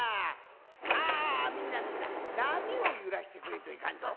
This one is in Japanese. ああみんなみんななみをゆらしてくれんといかんぞ。